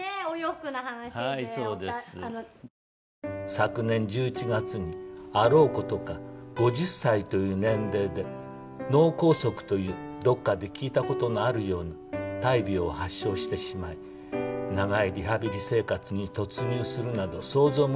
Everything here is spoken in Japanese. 「“昨年１１月にあろう事か５０歳という年齢で脳梗塞というどこかで聞いた事のあるような大病を発症してしまい長いリハビリ生活に突入するなど想像もしていませんでした”」